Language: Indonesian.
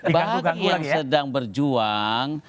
bagi yang sedang berjuang